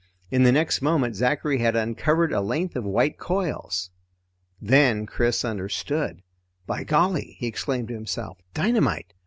In the next moment, Zachary had uncovered a length of white coils. Then Chris understood. By golly! he exclaimed to himself, dynamite!